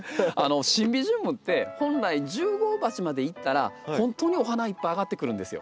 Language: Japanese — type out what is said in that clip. シンビジウムって本来１０号鉢までいったら本当にお花いっぱいあがってくるんですよ。